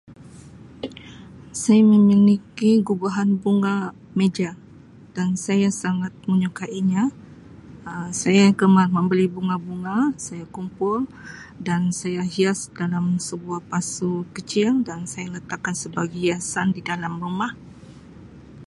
Saya memiliki gubahan bunga meja dan saya sangat menyukainya Um saya gemar membeli bunga-bunga saya kumpul dan saya hias dalam sebuah pasu kecil dan saya letakkan sebagai hiasan di dalam rumah.